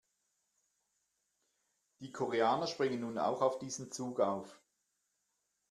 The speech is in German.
Die Koreaner springen nun auch auf diesen Zug auf.